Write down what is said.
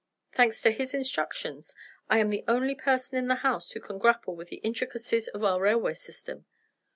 Thanks to his instructions, I am the only person in the house who can grapple with the intricacies of our railway system.